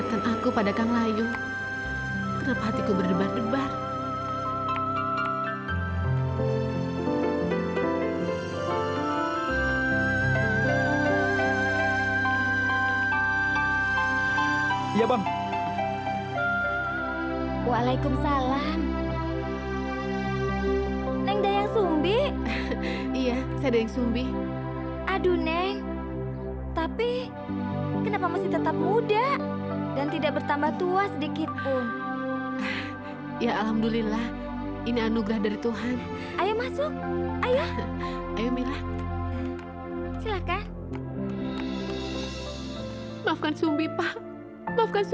sampai jumpa di video selanjutnya